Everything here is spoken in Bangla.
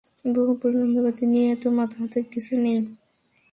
বোহ, যন্ত্রপাতি নিয়ে এত মাতামাতির কিছু নেই।